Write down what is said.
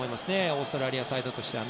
オーストラリアサイドとしては。